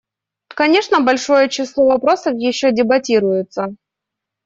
Конечно, большое число вопросов еще дебатируется.